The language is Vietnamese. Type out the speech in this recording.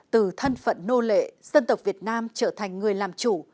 từ thân phận nô lệ dân tộc việt nam trở thành người làm chủ